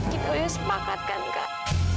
kita udah sepakat kan kak